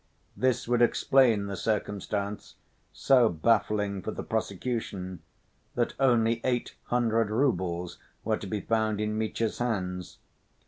This would explain the circumstance, so baffling for the prosecution, that only eight hundred roubles were to be found in Mitya's hands.